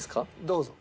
どうぞ。